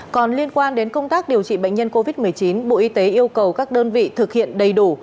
còn liên quan đến công tác điều trị bệnh nhân covid một mươi chín bộ y tế yêu cầu các đơn vị thực hiện đầy đủ